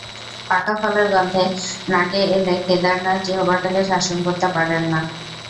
পাকা ফলের গন্ধ নাকে এলে কেদারনাথ জিহ্বাটাকে শাসন করতে পারেন না।